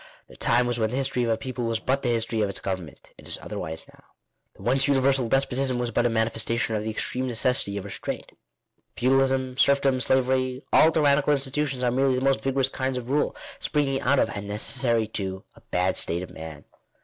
The time was when the history of a people was bjut the history of its government. ^ It is otherwise now. The once universal despotism was but a manifestation of the extreme necessity of restraint. Feudalism, serfdom, slavery — all tyrannical institutions, are merely the most vigorous kinds of rule, springing out of, and necessary to, a bad state of man.